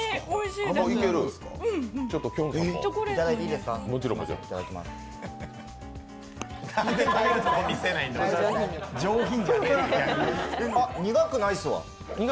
あっ、苦くないっすわ。